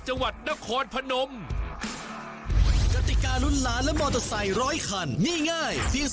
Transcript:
ยังแล้วยังค่ะอีกนิดนิดเดียวมาไหมมาเรียกมาเรียก